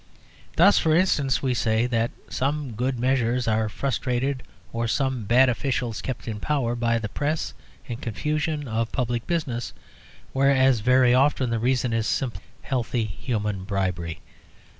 Thus, for instance, we say that some good measures are frustrated or some bad officials kept in power by the press and confusion of public business; whereas very often the reason is simple healthy human bribery.